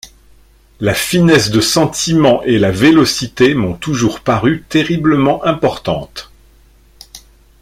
La finesse de sentiment et la vélocité m'ont toujours paru terriblement importantes.